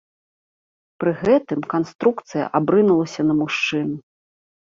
Пры гэтым канструкцыя абрынулася на мужчыну.